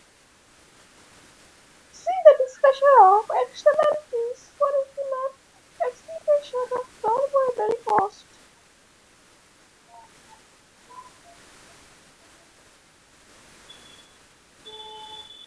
See the discussion of externalities for a fuller explication of non-monetary costs.